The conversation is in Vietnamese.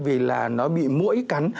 vì là nó bị mũi cắn